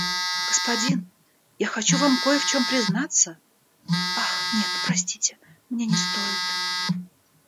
Господин, я хочу вам кое в чём признаться, ах, нет, простите, мне не стоит.